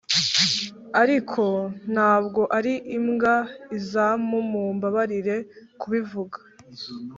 ariko ntabwo ari imbwa izamu, mumbabarire kubivuga.